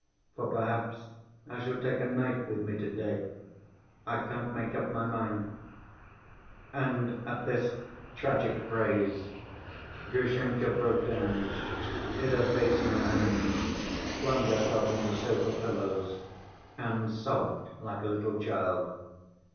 For perhaps I shall take a knife with me to‐day, I can't make up my mind ..." And at this "tragic" phrase Grushenka broke down, hid her face in her hands, flung herself on the sofa pillows, and sobbed like a little child.